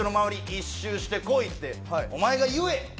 １周してこい」ってお前が言え。